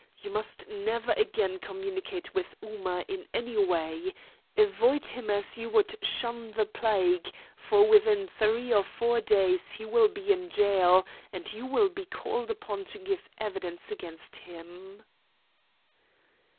You must never again communicate with Ooma in any way. Avoid him as you would shun the plague, for within three or four days he will be in gaol, and you will be called upon to give evidence against him."